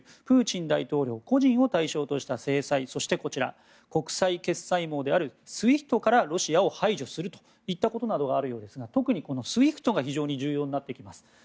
プーチン大統領個人を対象とした制裁国際決済網であるＳＷＩＦＴからロシアを排除するといったことがあるようですが特にＳＷＩＦＴが非常に重要になってきます。